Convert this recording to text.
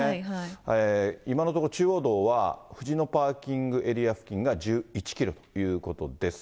今のところ、中央道は藤野パーキングエリア付近から１１キロということです。